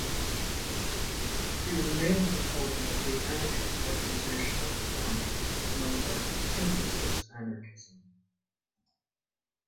He was a main proponent of the anarchist organizational form known as synthesis anarchism.